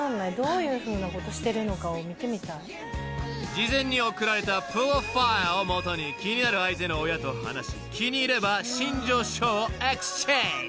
［事前に送られたプロファイルを基に気になる相手の親と話し気に入れば身上書をエクスチェンジ］